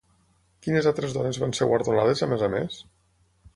Quines altres dones van ser guardonades a més a més?